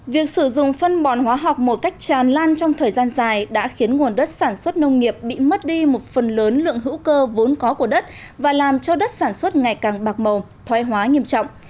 việc sử dụng phân bón hóa học một cách tràn lan trong thời gian dài đã khiến nguồn đất sản xuất nông nghiệp bị mất đi một phần lớn lượng hữu cơ vốn có của đất và làm cho đất sản xuất ngày càng bạc màu thoái hóa nghiêm trọng